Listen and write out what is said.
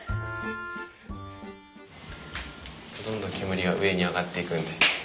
どんどん煙が上に上がっていくんで。